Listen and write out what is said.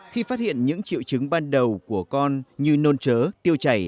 khi phát hiện những triệu chứng ban đầu của con như nôn chớ tiêu chảy